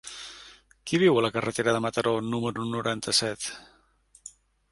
Qui viu a la carretera de Mataró número noranta-set?